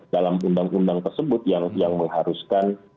dalam undang undang tersebut yang mengharuskan